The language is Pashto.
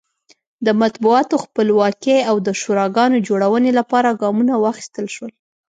د مطبوعاتو خپلواکۍ او د شوراګانو جوړونې لپاره ګامونه واخیستل شول.